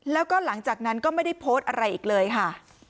แล้วก็หลังจากนั้นก็ไม่ได้โพสต์อะไรอีกเลยค่ะ